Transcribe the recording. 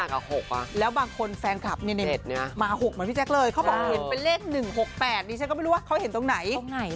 แล้วบางคนแฟนคลับมา๖เหมือนพี่แจ๊คเลยเขาบอกเห็นเป็นเลข๑๖๘นี่ฉันก็ไม่รู้ว่าเขาเห็นตรงไหน